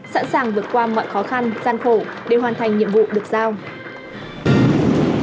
sẵn sàng vượt qua mọi khó khăn gian khổ để hoàn thành nhiệm vụ được giao